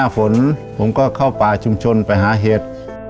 ฝนผมก็เข้าป่าชุมชนไปหาเห็ด